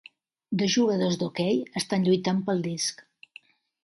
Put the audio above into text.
Dos jugadors d'hoquei estan lluitant pel disc.